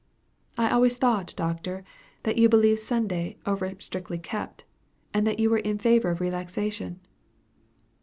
"I always thought, Doctor, that you believed Sunday over strictly kept, and that you were in favor of relaxation."